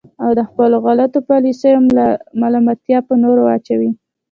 او د خپلو غلطو پالیسیو ملامتیا په نورو واچوي.